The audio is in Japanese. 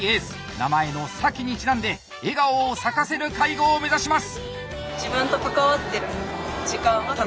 名前の「咲」にちなんで笑顔を咲かせる介護を目指します！